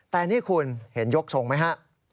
แต่นี่คุณเห็นยกทรงไหมฮะ